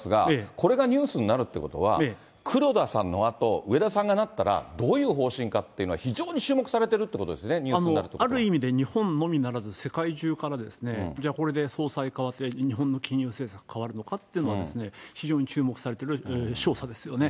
これがニュースになるってことは、黒田さんのあと、植田さんがなったら、どういう方針かっていうのが非常に注目されてるってことですね、ある意味で日本のみならず、世界中から、じゃあ、これで総裁代わって、日本の金融政策変わるのかっていうのを、非常に注目されているしょうさですよね。